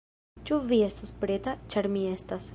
Ĉu vi estas preta? ĉar mi estas